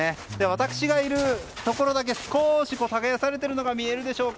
私がいるところだけ少し耕されているのが見えるでしょうか。